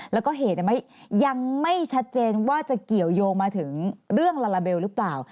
แล้วก็เหตุยังไม่ชัดเจนว่าจะเกี่ยวยงมาถึงเรื่องลาลาเบลหรือเปล่า